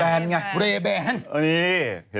จากธนาคารกรุงเทพฯ